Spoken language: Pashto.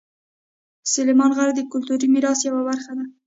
سلیمان غر د کلتوري میراث یوه برخه ده.